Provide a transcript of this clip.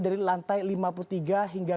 dari lantai lima puluh tiga hingga